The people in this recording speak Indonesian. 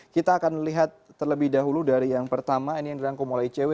kita akan lihat terlebih dahulu dari yang pertama ini yang dirangkum oleh icw